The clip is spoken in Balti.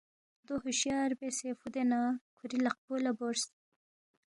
دو ہُشیار بیاسے فُودے نہ کُھوری لقپو لہ بورس